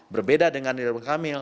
berbeda dengan ridwan kamil